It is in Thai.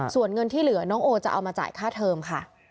ส่วนเงินที่เหลือน้องโอจะเอามาจ่ายค่าเทิมค่ะ